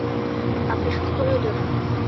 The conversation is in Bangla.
আপনি সুস্থ হয়ে যাবেন।